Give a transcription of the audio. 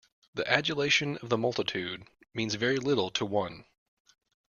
The adulation of the multitude means very little to one.